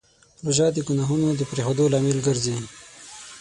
روژه د ګناهونو د پرېښودو لامل ګرځي.